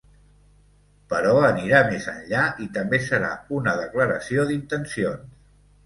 Però anirà més enllà i també serà una declaració d’intencions.